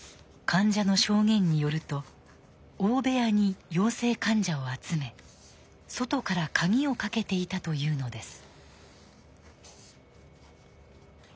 患者の証言によると大部屋に陽性患者を集め外から鍵をかけていたというのです。